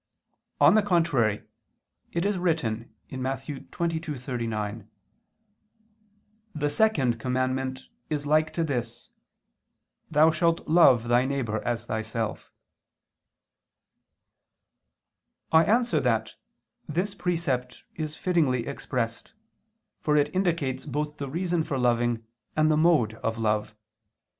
On the contrary, It is written (Matt. 22:39): "The second" commandment "is like to this: Thou shalt love thy neighbor as thyself." I answer that, This precept is fittingly expressed, for it indicates both the reason for loving and the mode of love.